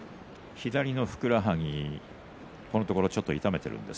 左のふくらはぎちょっと痛めています。